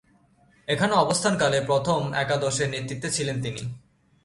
এখানে অবস্থানকালে প্রথম একাদশের নেতৃত্বে ছিলেন তিনি।